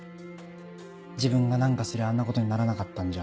「自分が何かすりゃあんなことにならなかったんじゃ」